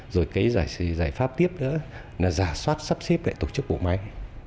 rồi cái giải pháp tiếp nữa là giả soát sắp xếp lại tổ chức bộ máy